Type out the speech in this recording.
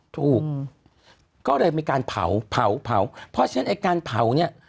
ถูกก็เลยมีการเผาเผาเพราะฉะนั้นไอ้การเผาเนี่ย